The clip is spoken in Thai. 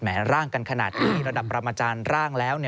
ร่างกันขนาดนี้ระดับประมาจารย์ร่างแล้ว